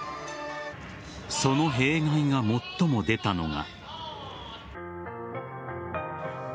その弊害が最も出たのが。